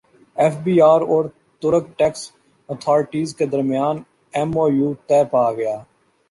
F B اور ترک tax authorities کے درمیان ایم او یو طے پاگیا